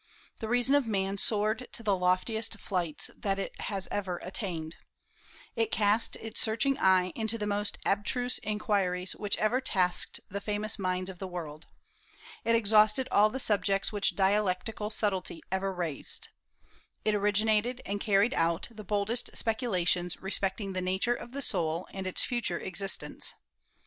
The reason of man soared to the loftiest flights that it has ever attained. It cast its searching eye into the most abstruse inquiries which ever tasked the famous minds of the world. It exhausted all the subjects which dialectical subtlety ever raised. It originated and carried out the boldest speculations respecting the nature of the soul and its future existence.